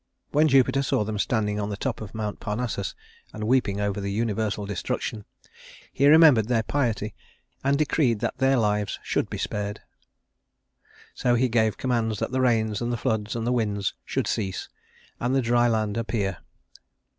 When Jupiter saw them standing on the top of Mount Parnassus and weeping over the universal destruction, he remembered their piety and decreed that their lives should be spared. So he gave commands that the rains and the floods and the winds should cease, and the dry land appear.